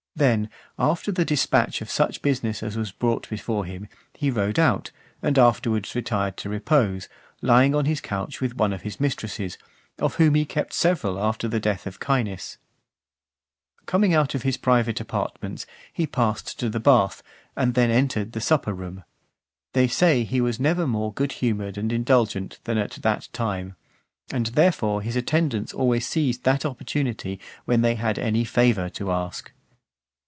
Then, after the dispatch of such business as was brought before him, he rode out, and afterwards retired to repose, lying on his couch with one of his mistresses, of whom he kept several after the death of Caenis . Coming out of his private apartments, he passed to the bath, and then entered the supper room. They say that he was never more good humoured and indulgent than at that time: and therefore his attendants always seized that opportunity, when they had any favour to ask.